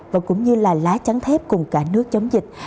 và cũng như là lá chắn thép cùng cả nước chống dịch